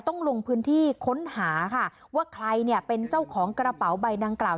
ต้องลงพื้นที่ค้นหาค่ะว่าใครเนี่ยเป็นเจ้าของกระเป๋าใบดังกล่าว